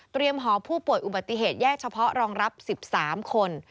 หอผู้ป่วยอุบัติเหตุแยกเฉพาะรองรับ๑๓คน